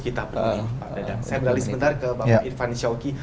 saya beralih sebentar ke bapak irfan syawki